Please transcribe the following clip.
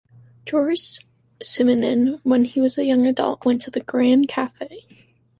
Georges Simenon, when he was a young adult, went to the Grand café.